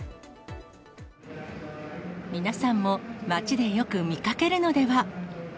皆さんも街でよく見かけるのでは。